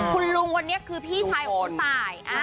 คุณลุงวันนี้คือพี่ชายผู้ตาย